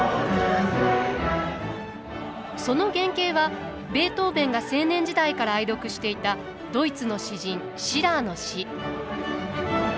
その原型はベートーヴェンが青年時代から愛読していたドイツの詩人シラーの詩。